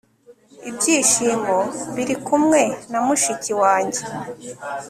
ibyishimo biri kumwe na mushiki wanjye